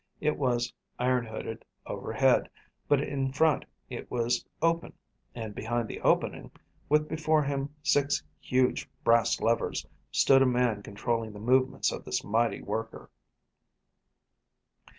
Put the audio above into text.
It was iron hooded overhead, but in front it was open, and behind the opening, with before him six huge brass levers, stood a man controlling the movements of this mighty worker.